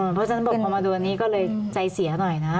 เพราะฉะนั้นบอกพอมาดูอันนี้ก็เลยใจเสียหน่อยนะ